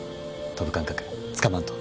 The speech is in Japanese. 飛ぶ感覚つかまんと。